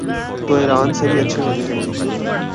تو ایران سے بھی اچھے ہونے چائیں۔